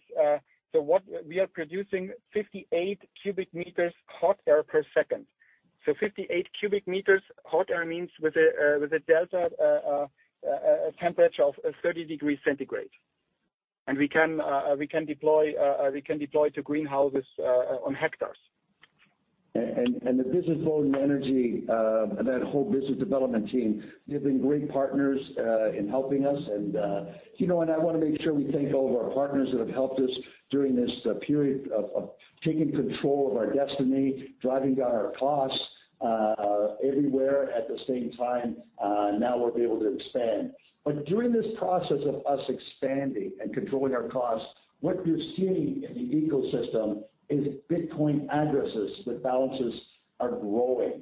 so what we are producing 58 cubic meters hot air per second. 58 cubic meters hot air means with a delta temperature of 30 degree centigrade. We can deploy to greenhouses on hectares. The business Bodens Energi, and that whole business development team, they've been great partners in helping us. I want to make sure we thank all of our partners that have helped us during this period of taking control of our destiny, driving down our costs everywhere at the same time. Now we'll be able to expand. During this process of us expanding and controlling our costs, what you're seeing in the ecosystem is Bitcoin addresses, the balances are growing.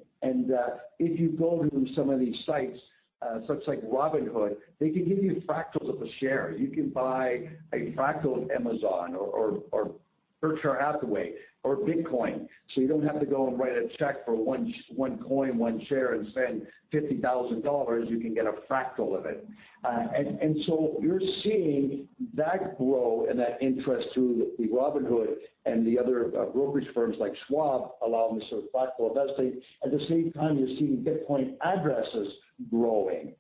If you go to some of these sites, such like Robinhood, they can give you fractals of a share. You can buy a fractal of Amazon or Berkshire Hathaway or Bitcoin. You don't have to go and write a check for one coin, one share, and spend 50,000 dollars. You can get a fractal of it. You're seeing that grow and that interest through the Robinhood and the other brokerage firms like Schwab allowing this sort of fractal investing. At the same time, you're seeing Bitcoin addresses growing.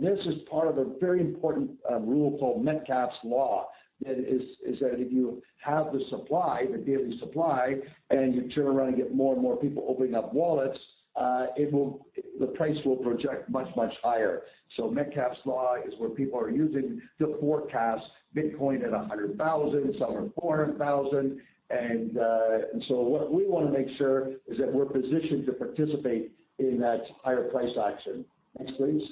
This is part of a very important rule called Metcalfe's Law. That is that if you have the supply, the daily supply, and you turn around and get more and more people opening up wallets, the price will project much, much higher. Metcalfe's Law is where people are using to forecast Bitcoin at $100,000, some are $400,000. What we want to make sure is that we're positioned to participate in that higher price action. Next, please.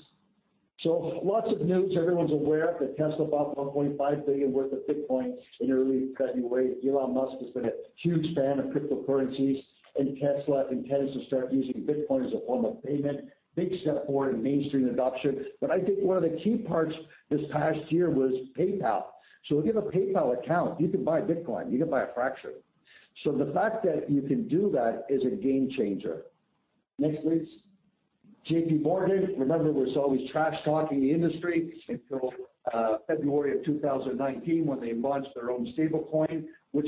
Lots of news. Everyone's aware that Tesla bought $1.5 billion worth of Bitcoin in early February. Elon Musk has been a huge fan of cryptocurrencies and Tesla intends to start using Bitcoin as a form of payment. Big step forward in mainstream adoption. I think one of the key parts this past year was PayPal. If you have a PayPal account, you can buy Bitcoin. You can buy a fraction. The fact that you can do that is a game changer. Next, please. JPMorgan, remember, was always trash-talking the industry until February of 2019 when they launched their own stablecoin, which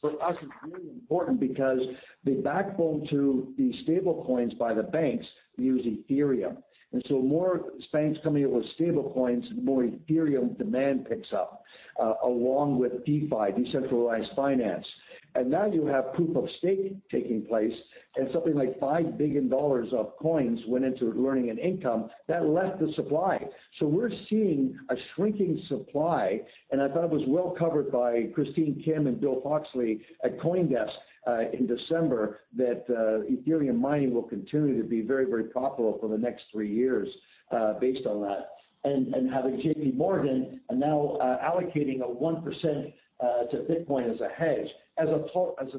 for us is really important because the backbone to the stablecoins by the banks use Ethereum. More banks coming up with stablecoins, more Ethereum demand picks up, along with DeFi, Decentralized Finance. Now you have proof of stake taking place, and something like 5 billion dollars of coins went into earning an income. That left the supply. We're seeing a shrinking supply, and I thought it was well-covered by Christine Kim and Bill Foxley at CoinDesk, in December, that Ethereum mining will continue to be very, very profitable for the next three years, based on that. Having JPMorgan now allocating a 1% to Bitcoin as a hedge, as an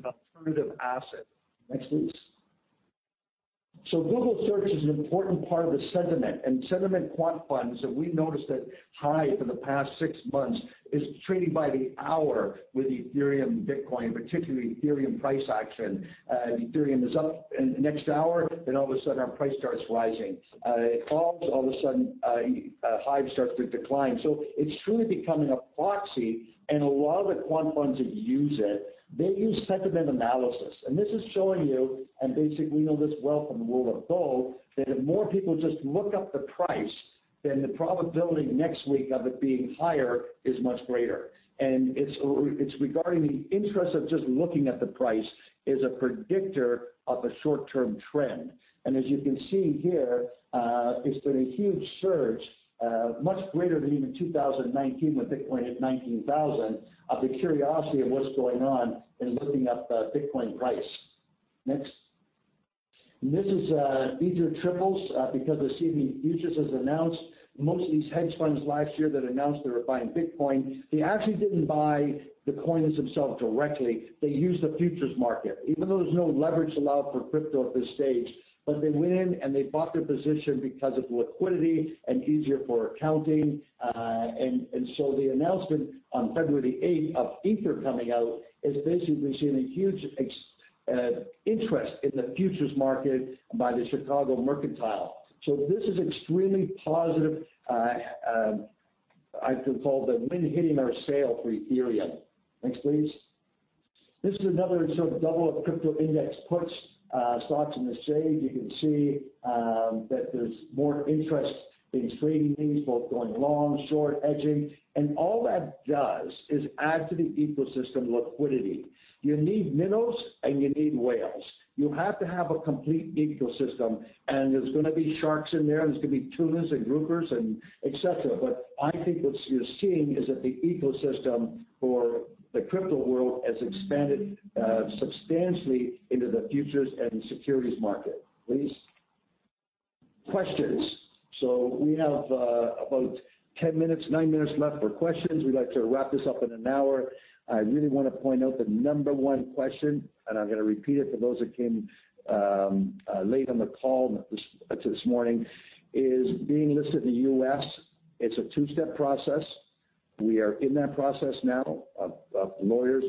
alternative asset. Next, please. Google search is an important part of the sentiment, and sentiment quant funds that we noticed at HIVE for the past six months is trading by the hour with Ethereum and Bitcoin, particularly Ethereum price action. If Ethereum is up in the next hour, then all of a sudden our price starts rising. It falls, all of a sudden HIVE starts to decline. It's truly becoming a proxy, and a lot of the quant funds that use it, they use sentiment analysis. This is showing you, and basically we know this well from the world of gold, that if more people just look up the price, then the probability next week of it being higher is much greater. It's regarding the interest of just looking at the price is a predictor of a short-term trend. As you can see here, there's been a huge surge, much greater than even 2019 when Bitcoin hit 19,000, of the curiosity of what's going on in looking up the Bitcoin price. Next, this is Ether Triples because the CME futures has announced most of these hedge funds last year that announced they were buying Bitcoin. They actually didn't buy the coins themselves directly. They used the futures market, even though there's no leverage allowed for crypto at this stage. They went in and they bought their position because of liquidity and easier for accounting. The announcement on February 8th of Ether coming out has basically seen a huge interest in the futures market by the Chicago Mercantile. This is extremely positive. I can call the wind hitting our sail for Ethereum. Next, please. This is another sort of double of crypto index puts stocks in the shade. You can see that there's more interest in trading these, both going long, short, hedging, and all that does is add to the ecosystem liquidity. You need minnows and you need whales. You have to have a complete ecosystem, and there's going to be sharks in there, and there's going to be tunas and groupers, etc. I think what you're seeing is that the ecosystem for the crypto world has expanded substantially into the futures and securities market. Please. Questions. We have about 10 minutes, nine minutes left for questions. We'd like to wrap this up in an hour. I really want to point out the number one question, and I'm going to repeat it for those that came late on the call to this morning, is being listed in the U.S. It's a two-step process. We are in that process now of lawyers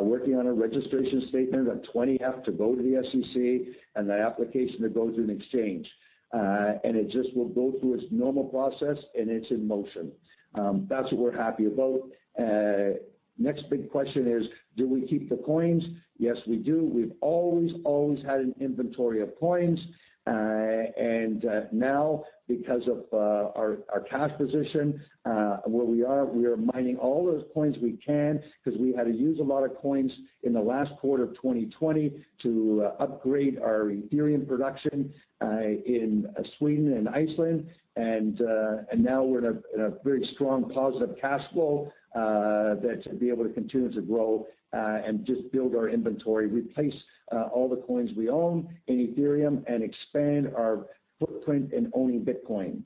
working on a registration statement. About 20 have to go to the SEC. The application then goes in exchange. It just will go through its normal process and it's in motion. That's what we're happy about. Next big question is, do we keep the coins? Yes, we do. We've always had an inventory of coins. Now because of our cash position where we are, we are mining all those coins we can because we had to use a lot of coins in the last quarter of 2020 to upgrade our Ethereum production in Sweden and Iceland. Now we're in a very strong positive cash flow to be able to continue to grow and just build our inventory, replace all the coins we own in Ethereum and expand our footprint in owning Bitcoin.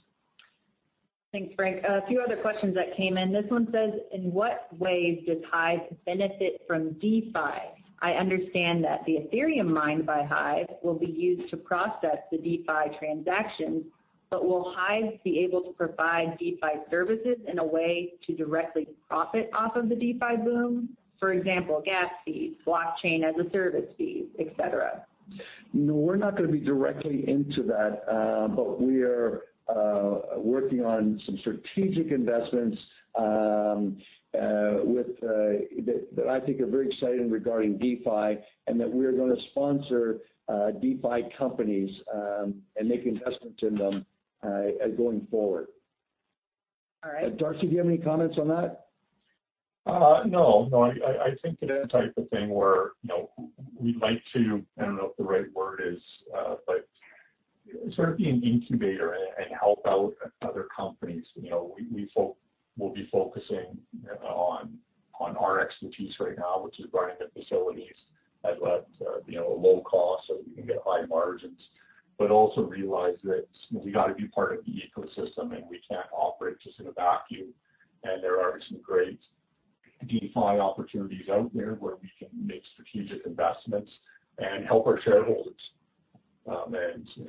Thanks, Frank. A few other questions that came in. This one says, "In what ways does HIVE benefit from DeFi? I understand that the Ethereum mined by HIVE will be used to process the DeFi transactions, but will HIVE be able to provide DeFi services in a way to directly profit off of the DeFi boom? For example, gas fees, blockchain-as-a-service fees, et cetera.'' No, we're not going to be directly into that. We are working on some strategic investments that I think are very exciting regarding DeFi and that we are going to sponsor DeFi companies and make investments in them going forward. All right. Darcy, do you have any comments on that? No. I think that type of thing where we'd like to, I don't know if the right word is, but sort of be an incubator and help out other companies. We'll be focusing on our expertise right now, which is running the facilities at low cost so we can get high margins, but also realize that we got to be part of the ecosystem and we can't operate just in a vacuum. There are some great DeFi opportunities out there where we can make strategic investments and help our shareholders.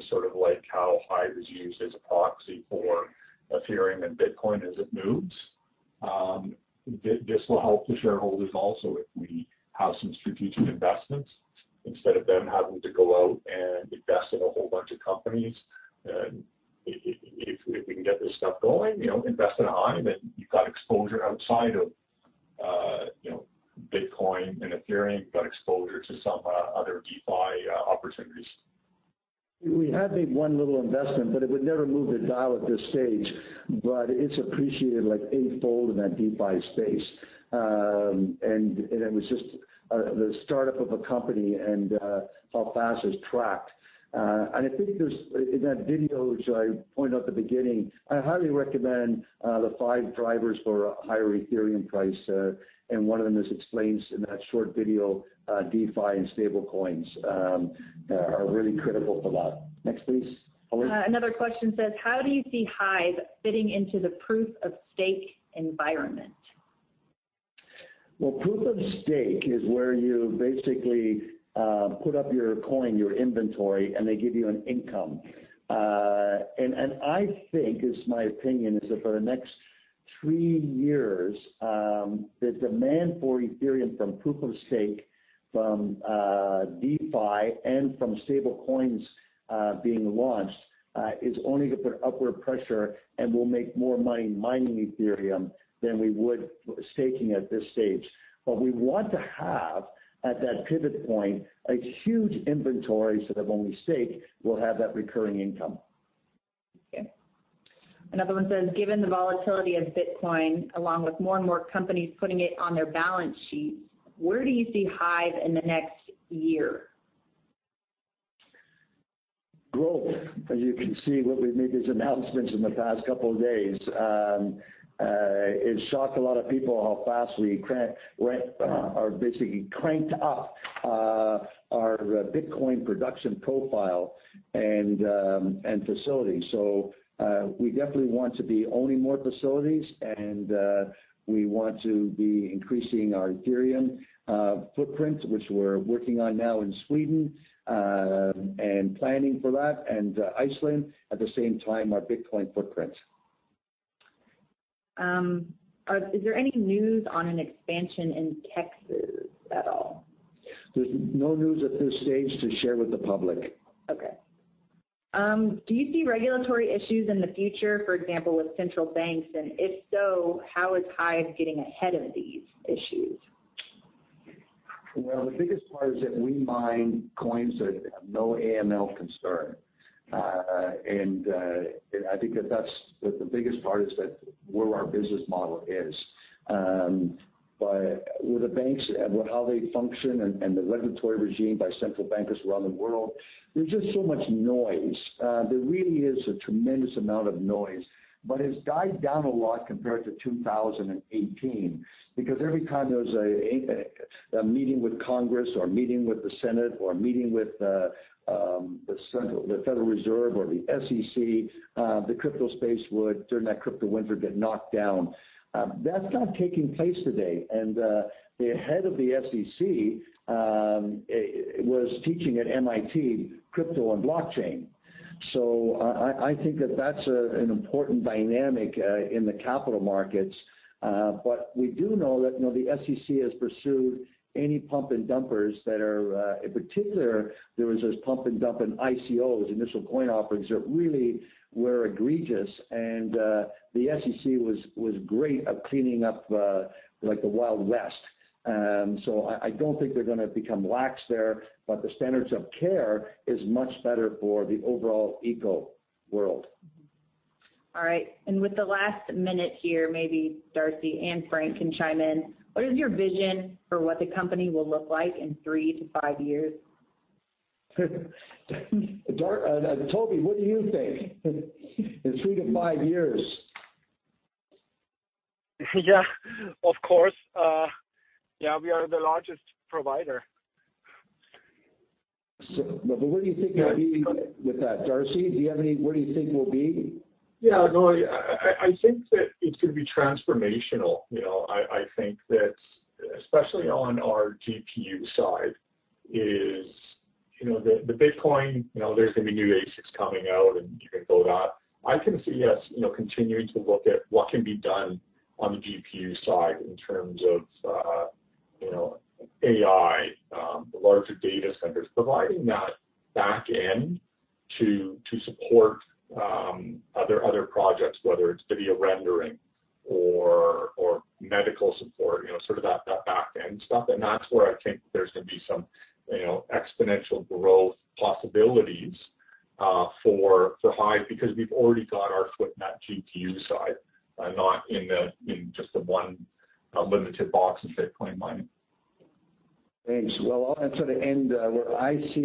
Sort of like how HIVE is used as a proxy for Ethereum and Bitcoin as it moves. This will help the shareholders also if we have some strategic investments instead of them having to go out and invest in a whole bunch of companies. If we can get this stuff going, invest in HIVE and you've got exposure outside of Bitcoin and Ethereum. You've got exposure to some other DeFi opportunities. We have made one little investment. It would never move the dial at this stage. It's appreciated eightfold in that DeFi space. It was just the startup of a company and how fast it's tracked. I think in that video which I pointed out at the beginning, I highly recommend the five drivers for a higher Ethereum price. One of them is explained in that short video, DeFi and stablecoins are really critical for that. Next, please, Holly. Another question says, "How do you see HIVE fitting into the proof of stake environment?'' Well, proof of stake is where you basically put up your coin, your inventory, and they give you an income. I think, it's my opinion, is that for the next three years, the demand for Ethereum from proof of stake from DeFi and from stablecoins being launched is only to put upward pressure and will make more mining Ethereum than we would staking at this stage. We want to have, at that pivot point, a huge inventory so that when we stake, we'll have that recurring income. Okay. Another one says, "Given the volatility of Bitcoin, along with more and more companies putting it on their balance sheets, where do you see HIVE in the next year?'' Growth. As you can see, when we made these announcements in the past couple of days, it shocked a lot of people how fast we basically cranked up our Bitcoin production profile and facility. We definitely want to be owning more facilities and we want to be increasing our Ethereum footprint, which we're working on now in Sweden, and planning for that, and Iceland, at the same time, our Bitcoin footprint. ''Is there any news on an expansion in Texas at all?'' There's no news at this stage to share with the public. Okay. ''Do you see regulatory issues in the future, for example, with central banks, and if so, how is HIVE getting ahead of these issues?'' Well, the biggest part is that we mine coins that have no AML concern. I think that's the biggest part is that where our business model is. With the banks and with how they function and the regulatory regime by central bankers around the world, there's just so much noise. There really is a tremendous amount of noise. It's died down a lot compared to 2018, because every time there was a meeting with Congress or meeting with the Senate or meeting with the Federal Reserve or the SEC, the crypto space would, during that crypto winter, get knocked down. That's not taking place today. The head of the SEC was teaching at MIT, crypto and blockchain. I think that that's an important dynamic in the capital markets. We do know that the SEC has pursued any pump and dumpers. In particular, there was those pump and dumping ICOs, Initial Coin Offerings, that really were egregious and the SEC was great at cleaning up the Wild West. I don't think they're going to become lax there, but the standards of care is much better for the overall eco world. All right. With the last minute here, maybe Darcy and Frank can chime in. What is your vision for what the company will look like in three to five years? Toby, what do you think? In three to five years. Yeah. Of course. Yeah, we are the largest provider. What do you think we'll be with that? Darcy, where do you think we'll be? Yeah, no, I think that it's going to be transformational. I think that, especially on our GPU side is the Bitcoin, there's going to be new ASICs coming out and you can build out. I can see us continuing to look at what can be done on the GPU side in terms of AI, the larger data centers providing that back end to support other projects, whether it's video rendering or medical support, sort of that back end stuff. That's where I think there's going to be some exponential growth possibilities for HIVE because we've already got our foot in that GPU side. Not in just the one limited box of Bitcoin mining. Thanks. Well, I'll answer the end, where I see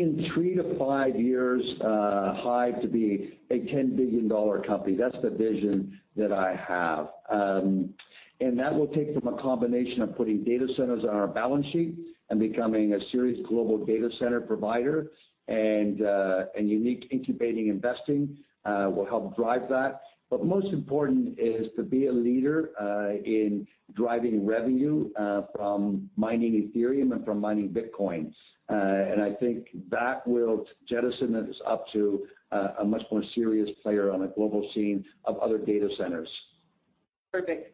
in three to five years, HIVE to be a 10 billion dollar company. That's the vision that I have. That will take from a combination of putting data centers on our balance sheet and becoming a serious global data center provider, and unique incubating investing will help drive that. Most important is to be a leader in driving revenue from mining Ethereum and from mining Bitcoin. I think that will jettison us up to a much more serious player on a global scene of other data centers. Perfect.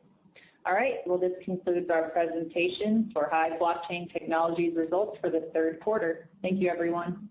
All right. Well, this concludes our presentation for HIVE Blockchain Technologies results for the third quarter. Thank you, everyone.